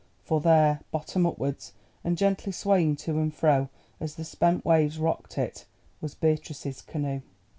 For there, bottom upwards, and gently swaying to and fro as the spent waves rocked it, was Beatrice's canoe.